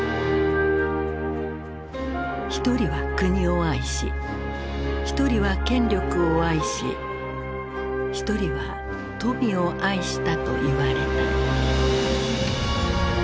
「一人は国を愛し一人は権力を愛し一人は富を愛した」といわれた。